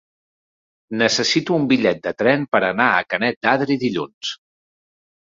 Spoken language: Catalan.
Necessito un bitllet de tren per anar a Canet d'Adri dilluns.